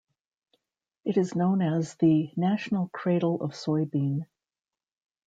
It is known as the "National Cradle of Soybean".